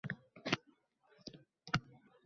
Daydi epkin boʼlib mador